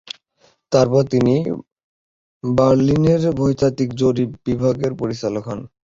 এরপর তিনি বার্লিনের ভূতাত্ত্বিক জরিপ বিভাগের পরিচালক হন।